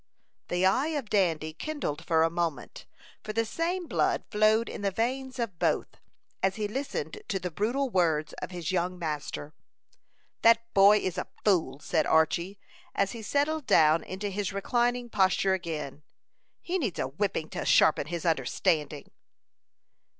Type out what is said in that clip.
The eye of Dandy kindled for a moment, for the same blood flowed in the veins of both, as he listened to the brutal words of his young master. "That boy is a fool!" said Archy, as he settled down into his reclining posture again. "He needs a whipping to sharpen his understanding."